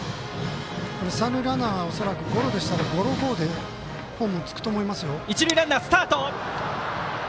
三塁ランナーは恐らくゴロでしたらゴロゴーでホームにつくと思います。